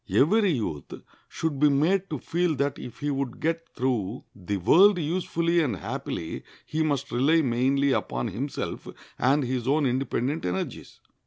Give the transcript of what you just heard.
Every youth should be made to feel that if he would get through the world usefully and happily he must rely mainly upon himself and his own independent energies.